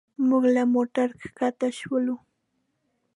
موږ له موټر ښکته شولو.